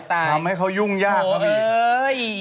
ทำให้เขายุ่งยากครับอีก